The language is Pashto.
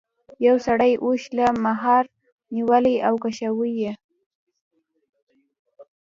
یو سړي اوښ له مهار نیولی او کشوي یې.